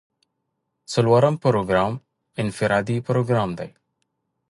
څلورم پروګرام انفرادي پروګرام دی.